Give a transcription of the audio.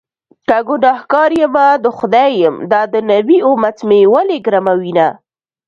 که ګنهکار يمه د خدای یم- دا د نبي امت مې ولې ګرموینه